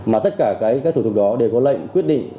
mà tất cả các thủ tục đó đều có lệnh quyết định